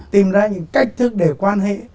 tìm ra những cách thức để quan hệ